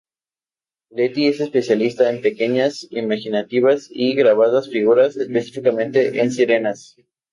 Letty es especialista en pequeñas, imaginativas y grabadas figuras, específicamente en sirenas.